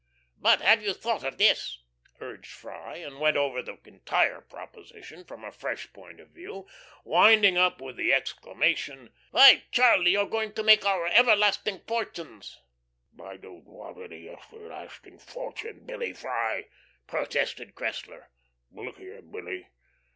"But have you thought of this?" urged Freye, and went over the entire proposition, from a fresh point of view, winding up with the exclamation: "Why, Charlie, we're going to make our everlasting fortunes." "I don't want any everlasting fortune, Billy Freye," protested Cressler. "Look here, Billy.